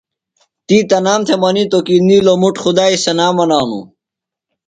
تی تنام تھےۡ منِیتوۡ کی نِیلوۡ مُٹ خدائی ثنا منانوۡ۔